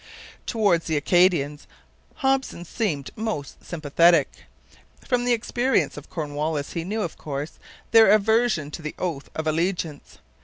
Towards the Acadians Hopson seemed most sympathetic. From the experience of Cornwallis he knew, of course, their aversion to the oath of allegiance.